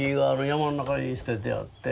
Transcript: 山の中に捨ててあって。